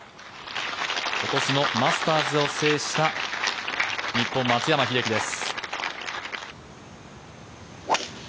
今年のマスターズを制した日本、松山英樹です。